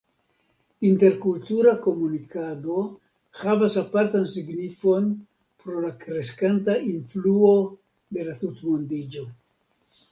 Interkultura komunikado havas apartan signifon pro la kreskanta influo de la tutmondiĝo.